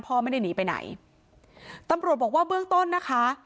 ไม่ได้หนีไปไหนตำรวจบอกว่าเบื้องต้นนะคะ